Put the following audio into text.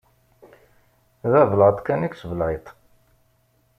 D abelεeṭ kan i yettbelεiṭ.